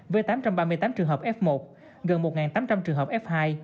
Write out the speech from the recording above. với tám trăm ba mươi tám trường hợp f một gần một tám trăm linh trường hợp f hai